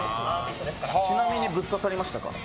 ちなみにぶっ刺さりましたか？